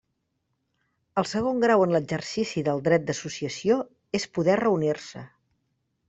El segon grau en l'exercici del dret d'associació és poder reunir-se.